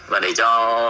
và để cho